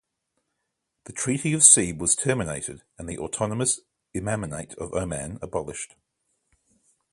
The Treaty of Seeb was terminated and the autonomous Imamate of Oman abolished.